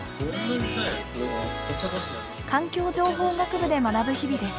環境情報学部で学ぶ日々です。